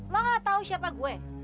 lo gak tau siapa gue